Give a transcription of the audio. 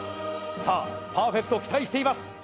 さあパーフェクトを期待しています